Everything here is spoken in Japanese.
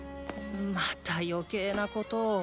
また余計なことを。